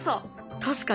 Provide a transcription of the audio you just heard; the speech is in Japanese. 確かに。